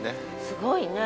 すごいね。